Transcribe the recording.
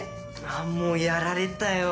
もうやられたよ。